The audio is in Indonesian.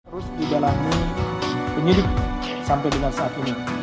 terus di dalam penyidik sampai dengan saat ini